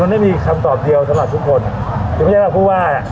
มันไม่มีคำตอบเดียวสำหรับทุกคนทุกคนยังไม่ใช่แหละภูวาฟ่า